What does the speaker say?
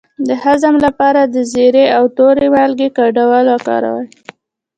د هضم لپاره د زیرې او تورې مالګې ګډول وکاروئ